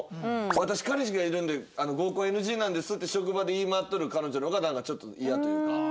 「私彼氏がいるんで合コンＮＧなんです」って職場で言い回ってる彼女の方がなんかちょっと嫌というか。